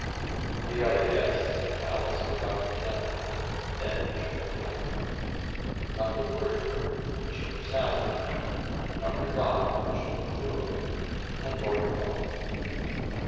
The other guests at the Palace were Dr. Temple, then Bishop of London; Dr. Wordsworth, Bishop of Salisbury; Dr. Gott, Bishop of Truro; and Lord Cross.